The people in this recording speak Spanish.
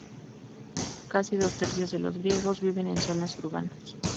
Casi dos tercios de los griegos viven en zonas urbanas.